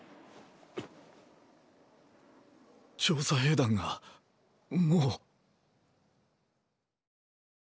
調査兵団がもう⁉